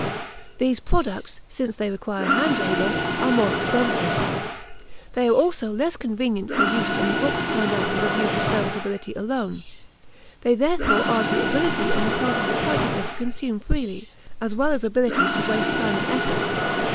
These products, since they require hand labor, are more expensive; they are also less convenient for use than the books turned out with a view to serviceability alone; they therefore argue ability on the part of the purchaser to consume freely, as well as ability to waste time and effort.